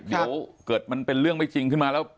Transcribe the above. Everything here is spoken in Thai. เดี๋ยวเกิดมันเป็นเรื่องไม่จริงขึ้นมาแล้ว